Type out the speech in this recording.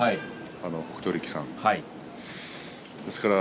北勝力さんです。